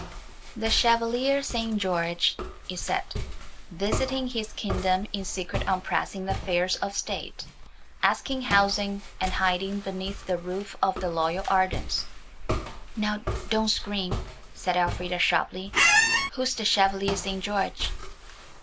"The Chevalier St. George," it said, "visiting his kingdom in secret on pressing affairs of State, asks housing and hiding beneath the roof of the loyal Ardens." "Now, don't scream," said Elfrida sharply; "who's the Chevalier St. George?"